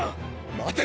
待て！